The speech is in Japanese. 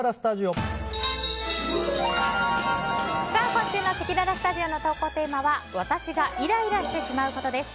今週のせきららスタジオの投稿テーマは私がイライラしてしまうことです。